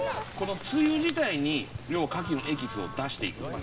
つゆ自体にカキのエキスを出していく。